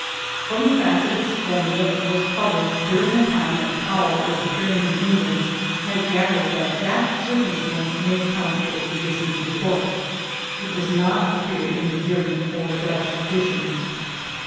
From the fact that this formula was published during the time that Powell was appearing in England I gather that that circumstance may account for its addition to the book. It does not appear in the German or Dutch editions.